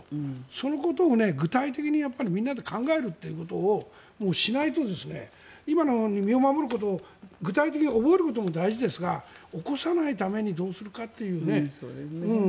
そのことを具体的にみんなで考えるということをしないと今のように身を守ることを具体的に覚えることも大事ですが起こさないためにどうするかというね。